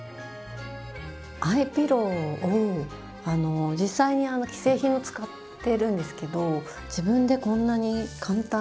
アイピローを実際に既製品を使ってるんですけど自分でこんなに簡単に。